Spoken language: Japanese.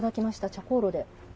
茶香炉で。